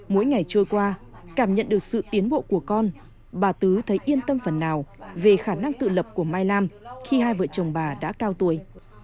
mỗi ngày trôi qua cảm nhận được sự tiến bộ của con bà tứ thấy yên tâm phần nào về khả năng tự lập của mai lam khi hai vợ chồng bà đã cao tuổi